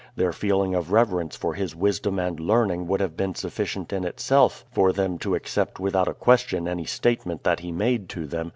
Their feeling of reverence for his wisdom and learning would have been sufficient in itself for them to accept without a question any statement that he made to them.